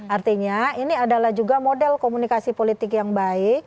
artinya ini adalah juga model komunikasi politik yang baik